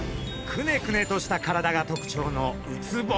くねくねとした体が特徴のウツボ。